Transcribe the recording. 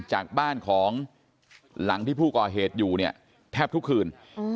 จากบ้านของหลังที่ผู้ก่อเหตุอยู่เนี่ยแทบทุกคืน